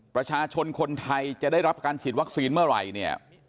ประชาชนคนไทยจะได้รับการฉีดวัคซีนเมื่อไหร่เนี่ย